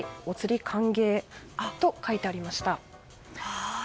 おつり歓迎と書いてありました。